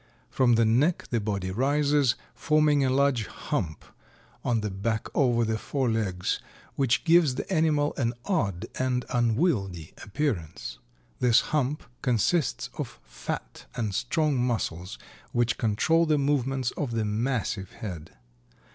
From the neck the body rises, forming a large hump on the back over the forelegs, which gives the animal an odd and unwieldy appearance. This hump consists of fat and strong muscles which control the movements of the massive head.